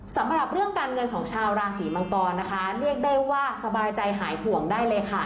สำหรับเรื่องการเงินของชาวราศีมังกรนะคะเรียกได้ว่าสบายใจหายห่วงได้เลยค่ะ